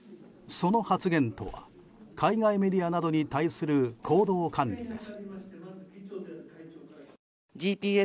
その発言とは海外メディアなどに対する行動管理です。